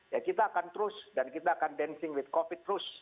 ya kita akan terus dan kita akan dancing with covid terus